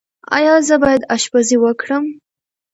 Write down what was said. ایا زه باید اشپزي وکړم؟